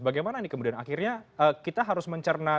bagaimana ini kemudian akhirnya kita harus mencerna